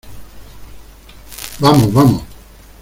¡ vamos! ¡ vamos !